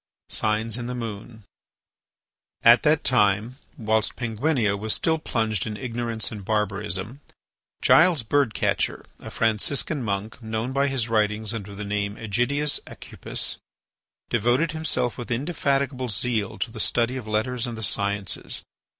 SIGNS IN THE MOON At that time, whilst Penguinia was still plunged in ignorance and barbarism, Giles Bird catcher, a Franciscan monk, known by his writings under the name Ægidius Aucupis, devoted himself with indefatigable zeal to the study of letters and the sciences.